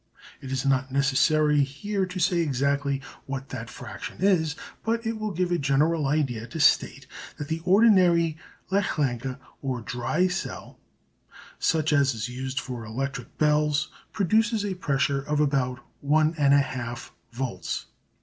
It is not necessary here to say exactly what that fraction is, but it will give a general idea to state that the ordinary Leclanche or dry cell, such as is used for electric bells, produces a pressure of about one and a half volts.